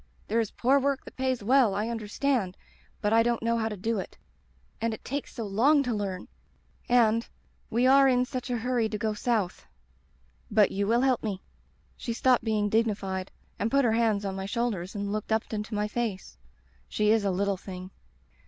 There is poor work that pays well, I understand, but I don't know how to do it. And it takes so long to learn; and — ^we are in such a hurry to go South. But you will help me —' She stopped being dignified and put her hands on my shoulders and looked up into my face — she is a little thing.